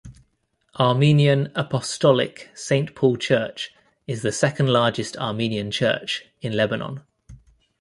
Armenian Apostolic Saint Paul Church is the second largest Armenian church in Lebanon.